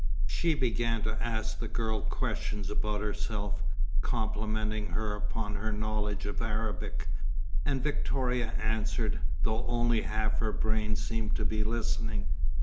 She began to ask the girl questions about herself, complimenting her upon her knowledge of Arabic; and Victoria answered, though only half her brain seemed to be listening.